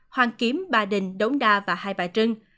hoàn kiếm ba đình đống đa và hai bà trưng